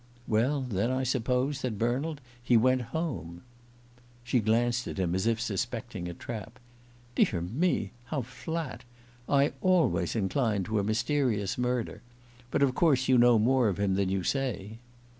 "Well, then, I suppose," said Bernald, "he went home." She glanced at him as if suspecting a trap. "Dear me, how flat! I always inclined to a mysterious murder. But of course you know more of him than you say."